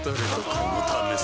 このためさ